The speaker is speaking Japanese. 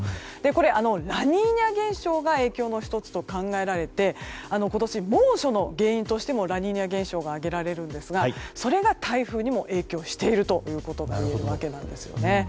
これ、ラニーニャ現象が影響の１つと考えられて今年猛暑の原因としてもラニーニャ現象が挙げられるんですがそれが台風にも影響しているというわけなんですね。